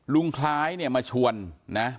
คล้ายเนี่ยมาชวนนะ